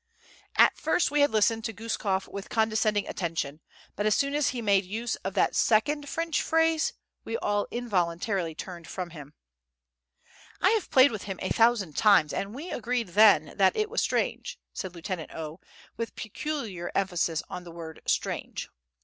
At first we had listened to Guskof with condescending attention; but as soon as he made use of that second French phrase, we all involuntarily turned from him. "I have played with him a thousand times, and we agreed then that it was strange," said Lieutenant O., with peculiar emphasis on the word STRANGE [Footnote: Stranno].